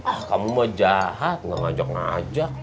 ah kamu mah jahat ga ngajak ngajak